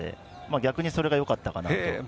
逆にそれがよかったかなと。